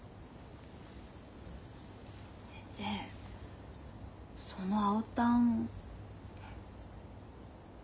先生その青たん。